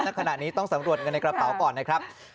ขณะนี้ต้องสำรวจเงินในกระเป๋าก่อนนะครับ